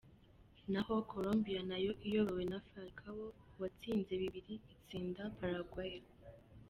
Naho Colombia nayo iyobowe na Falcao watsinze bibiri itsinda Paraguay.